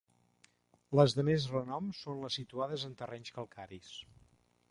Les de més renom són les situades en terrenys calcaris.